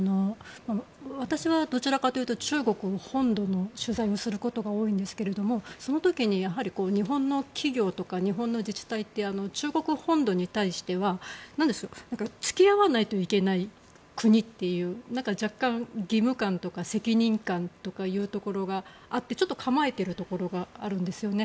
私はどちらかというと中国本土の取材をすることが多いんですがその時に日本の企業とか日本の自治体って中国本土に対しては付き合わないといけない国という若干、義務感とか責任感というところがあってちょっと構えているところがあるんですよね。